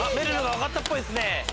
分かったっぽいっすね。